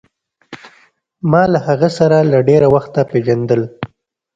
ما له هغه سره له ډېره وخته پېژندل.